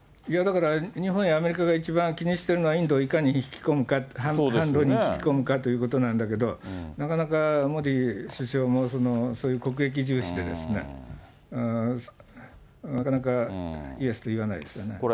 いや、だから日本やアメリカが一番気にしてるのは、インドをいかに引き込むか、販路に引き込むかということなんだけれども、なかなかモディ首相もそういう国益重視で、なかなかイエスと言わないですよね。